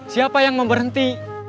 siapa yang mau berhenti